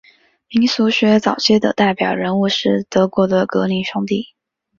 民俗学早期的代表人物是德国的格林兄弟。